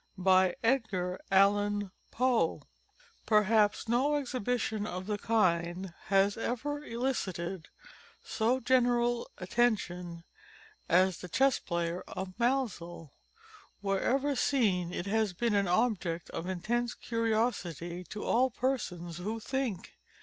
MAELZEL'S CHESS PLAYER Perhaps no exhibition of the kind has ever elicited so general attention as the Chess Player of Maelzel. Wherever seen it has been an object of intense curiosity, to all persons who think.